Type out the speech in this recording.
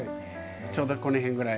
ちょうどこの辺ぐらい。